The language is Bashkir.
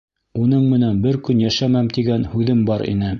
Уның менән бер көн йәшәмәм тигән һүҙем бар ине.